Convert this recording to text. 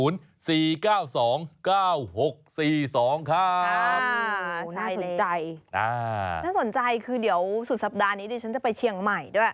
น่าสนใจน่าสนใจคือเดี๋ยวสุดสัปดาห์นี้ดิฉันจะไปเชียงใหม่ด้วย